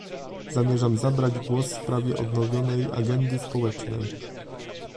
Zamierzam zabrać głos w sprawie odnowionej agendy społecznej